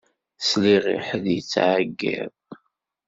Sliɣ i ḥedd yettɛeyyiḍ.